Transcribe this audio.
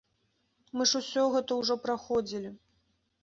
Мы ж усё гэта ўжо праходзілі!